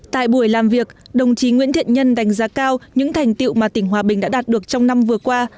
tại buổi làm việc đồng chí nguyễn thiện nhân đánh giá cao những thành tiệu mà tỉnh hòa bình đã đạt được trong năm vừa qua